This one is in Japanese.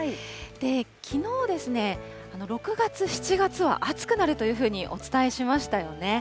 きのう、６月、７月は暑くなるというふうにお伝えしましたよね。